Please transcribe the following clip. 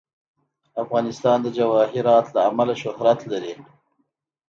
افغانستان د جواهرات له امله شهرت لري.